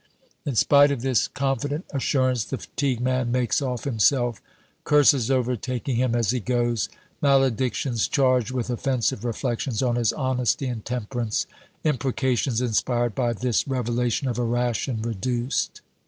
In spite of this confident assurance, the fatigue man makes off himself, curses overtaking him as he goes, maledictions charged with offensive reflections on his honesty and temperance, imprecations inspired by this revelation of a ration reduced.